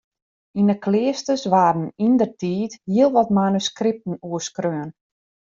Yn 'e kleasters waarden yndertiid hiel wat manuskripten oerskreaun.